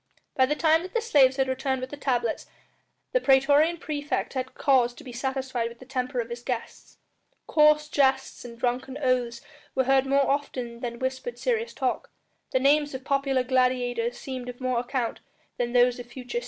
By the time that the slaves had returned with the tablets the praetorian praefect had cause to be satisfied with the temper of his guests. Coarse jests and drunken oaths were heard more often than whispered serious talk, the names of popular gladiators seemed of more account than those of future Cæsars.